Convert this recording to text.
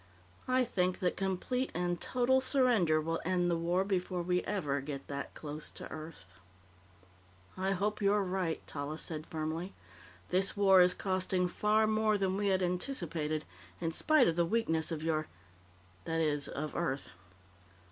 I think that complete and total surrender will end the war before we ever get that close to Earth." "I hope you're right," Tallis said firmly. "This war is costing far more than we had anticipated, in spite of the weakness of your that is, of Earth."